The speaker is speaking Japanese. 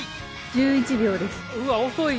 １１秒です